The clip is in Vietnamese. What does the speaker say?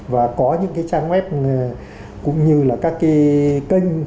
và có những trang web cũng như là các kênh